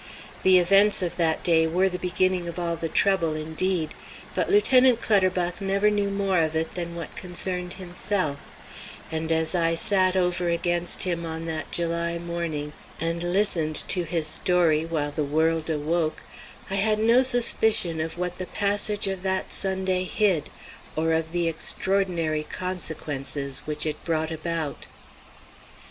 The events of that day were the beginning of all the trouble, indeed, but Lieutenant Clutterbuck never knew more of it than what concerned himself, and as I sat over against him on that July morning and listened to his story while the world awoke, I had no suspicion of what the passage of that Sunday hid, or of the extraordinary consequences which it brought about.